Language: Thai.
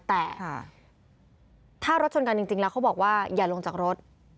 แต่ถ้ารถชนกันจริงแล้วเขาบอกว่าอย่าลงจากรถ